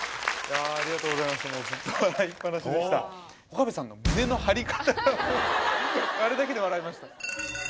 あれだけで笑いました。